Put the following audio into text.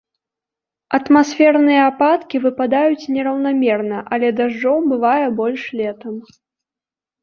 Атмасферныя ападкі выпадаюць нераўнамерна, але дажджоў бывае больш летам.